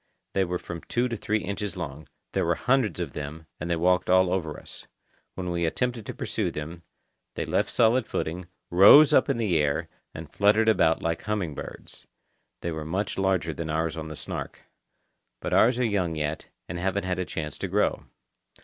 They were from two to three inches long; there were hundreds of them, and they walked all over us. When we attempted to pursue them, they left solid footing, rose up in the air, and fluttered about like humming birds. They were much larger than ours on the Snark. But ours are young yet, and haven't had a chance to grow.